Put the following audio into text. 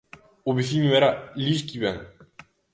O veciño era Lis Quivén.